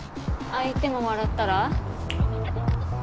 相手も笑ったら。